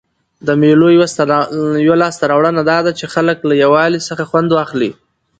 د مېلو یوه لاسته راوړنه دا ده، چي خلک له یووالي څخه خوند اخلي.